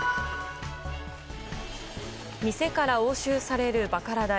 店から押収されるバカラ台。